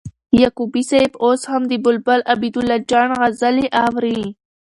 یعقوبی صاحب اوس هم د بلبل عبیدالله جان غزلي اوري